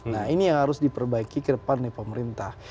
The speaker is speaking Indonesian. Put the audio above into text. nah ini yang harus diperbaiki ke depan nih pemerintah